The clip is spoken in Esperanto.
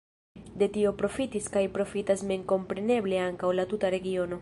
De tio profitis kaj profitas memkompreneble ankaŭ la tuta regiono.